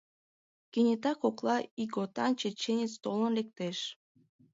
Кенета кокла ийготан Чеченец толын лектеш.